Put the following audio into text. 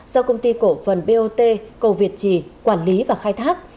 do công ty cổ phần bot cầu việt trì quản lý và khai thác